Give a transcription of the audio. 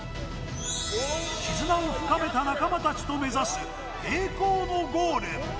絆を深めた仲間たちと目指す、栄光のゴール。